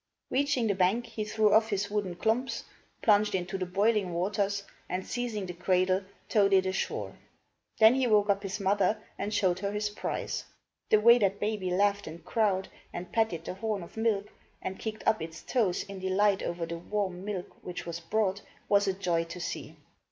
Reaching the bank, he threw off his wooden klomps, plunged into the boiling waters, and, seizing the cradle, towed it ashore. Then he woke up his mother and showed her his prize. The way that baby laughed and crowed, and patted the horn of milk, and kicked up its toes in delight over the warm milk, which was brought, was a joy to see.